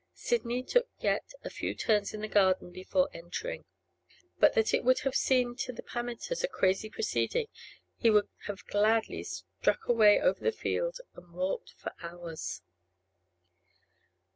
Sidney took yet a few turns in the garden before entering. But that it would have seemed to the Pammenters a crazy proceeding, he would have gladly struck away over the fields and walked for hours.